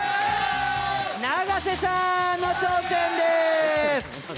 永瀬さん！の挑戦です。